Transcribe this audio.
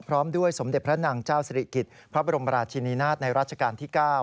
พร้อมด้วยสมเด็จพระนางเจ้าสิริกิจพระบรมราชินินาศในราชการที่๙